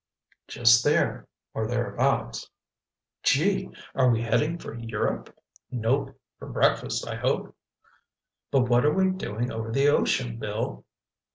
"Just there—or thereabouts." "Gee—are we heading for Europe?" "Nope. For breakfast, I hope." "But what are we doing over the ocean, Bill?"